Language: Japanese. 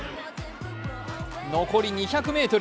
残り２００ｍ。